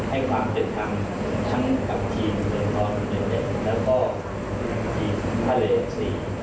ให้ความเป็นธรรมทั้งกับทีมยูเลเต็ดแล้วก็ทีมภาเลสี่